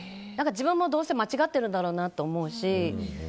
自分もどうせ間違ってるんだろうなと思うし。